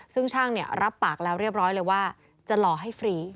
ซึ่งช่างรับปากแล้วเรียบร้อยเลยว่าจะหล่อให้ฟรี